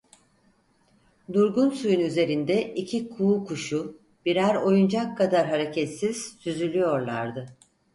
Durgun suyun üzerinde iki kuğu kuşu, birer oyuncak kadar hareketsiz, süzülüyorlardı.